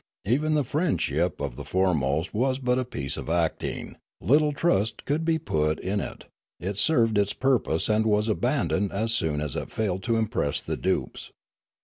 Even the friendship of the foremost was but a piece of acting; little trust could be put in it; it served its purpose and was abandoned as soon as it failed to impress the dupes.